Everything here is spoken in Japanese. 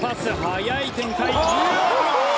速い展開。